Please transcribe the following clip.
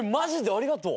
ありがとう。